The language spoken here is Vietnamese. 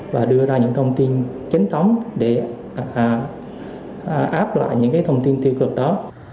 và đưa ra những thông tin chính thống để áp lại những thông tin tiêu cực đó